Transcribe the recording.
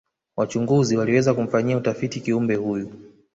wachunguzi waliweza kumfanyia utafiti kiumbe huyu